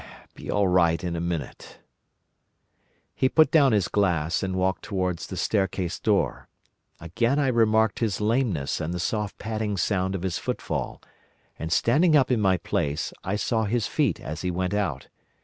Be all right in a minute." He put down his glass, and walked towards the staircase door. Again I remarked his lameness and the soft padding sound of his footfall, and standing up in my place, I saw his feet as he went out.